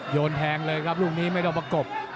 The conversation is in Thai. โยนแทงเลยครับครับลูกนี้ไม่เราประกบ